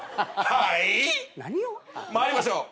はい参りましょう。